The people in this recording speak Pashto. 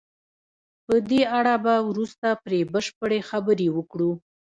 په دې اړه به وروسته پرې بشپړې خبرې وکړو.